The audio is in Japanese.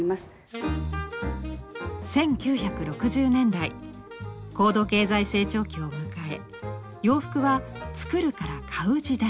１９６０年代高度経済成長期を迎え洋服は「作る」から「買う」時代へ。